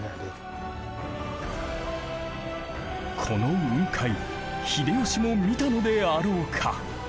この雲海秀吉も見たのであろうか。